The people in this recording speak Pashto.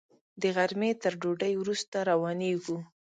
د غرمې تر ډوډۍ وروسته روانېږو.